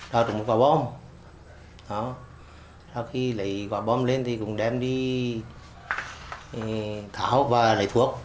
đã trùng quả bom sau khi lấy quả bom lên thì cũng đem đi tháo và lấy thuốc